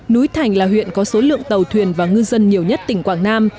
núi thành là huyện có số lượng tàu thuyền và ngư dân nhiều nhất tỉnh quảng nam